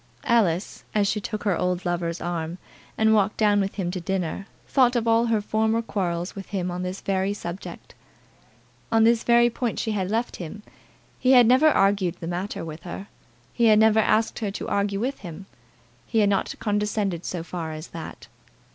Alice, as she took her old lover's arm, and walked down with him to dinner, thought of all her former quarrels with him on this very subject. On this very point she had left him. He had never argued the matter with her. He had never asked her to argue with him. He had not condescended so far as that.